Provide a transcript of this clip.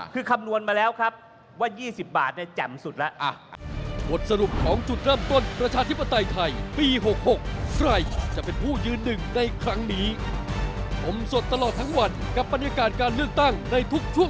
คือคำนวณมาแล้วครับว่า๒๐บาทแจ่มสุดแล้ว